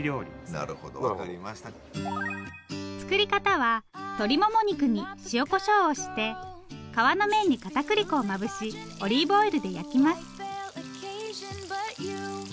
作り方は鶏もも肉に塩こしょうをして皮の面にかたくり粉をまぶしオリーブオイルで焼きます。